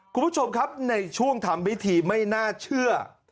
คุณผู้ชมครับในช่วงทำพิธีไม่น่าเชื่อ